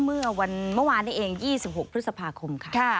เมื่อวันเมื่อวานเอง๒๖พฤษภาคมค่ะ